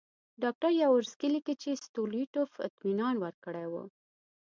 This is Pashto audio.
ډاکټر یاورسکي لیکي چې ستولیټوف اطمینان ورکړی وو.